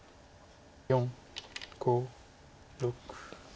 ４５６。